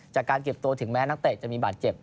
จากการเก็บตัวถึงแม้นักเตะจะมีบาดเจ็บ